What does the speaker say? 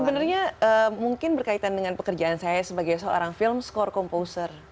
sebenarnya mungkin berkaitan dengan pekerjaan saya sebagai seorang film score composer